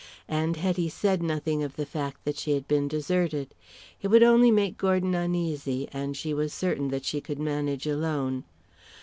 And Hetty said nothing of the fact that she had been deserted. It would only make Gordon uneasy, and she was certain that she could manage alone.